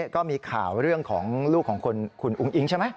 ก็มีข่าวเรื่องของลูกของคุณอุ้งอิ๊งใช่ไหม